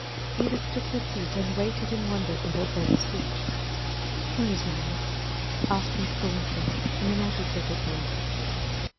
Edith took the seat, and waited in wonder for her further speech. "Where is Marian?" asked Miss Thornton, in an agitated voice.